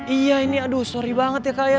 iya ini aduh sorry banget ya kak ya